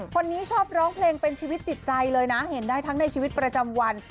คนนี้ชอบร้องเพลงเป็นชีวิตจิตใจเลยนะเห็นได้ทั้งในชีวิตประจำวัน